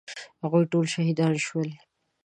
هغوی ټول شهیدان شول.